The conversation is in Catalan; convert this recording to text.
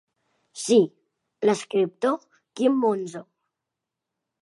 Sí, l'escriptor Quim Monzó.